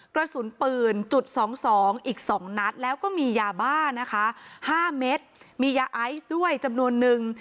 กระสุนปืนจุด๒๒อีก๒นัดแล้วก็มียาบ้านะคะ๕เม็ดมียาไอซ์ด้วยจำนวนนึง